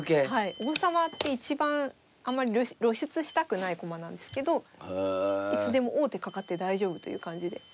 王様って一番あんまり露出したくない駒なんですけどいつでも王手かかって大丈夫という感じで。